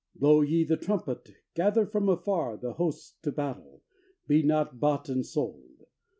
_ Blow ye the trumpet, gather from afar The hosts to battle: be not bought and sold.